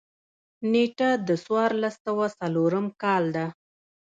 نېټه د څوارلس سوه څلورم کال ده.